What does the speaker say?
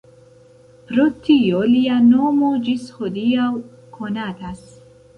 Pro tio lia nomo ĝis hodiaŭ konatas.